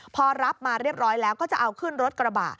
พอรับมาเรียบร้อยแล้วก็จะเอาขึ้นรถกระบะ